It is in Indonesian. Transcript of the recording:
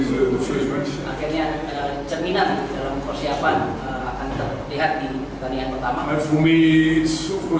untuk saya tentu saja berbeda dari tahun lalu